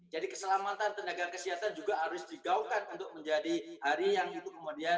jadi keselamatan tenaga kesehatan juga harus digaulkan untuk menjadi hari yang itu kemudian